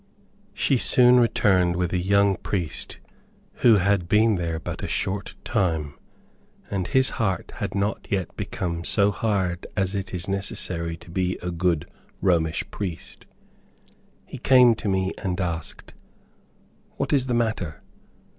She soon returned with a young priest, who had been there but a short time, and his heart had not yet become so hard as is necessary to be a good Romish priest. He came to me and asked, "What is the matter?"